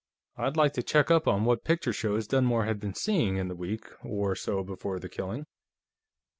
I'd like to check up on what picture shows Dunmore had been seeing in the week or so before the killing.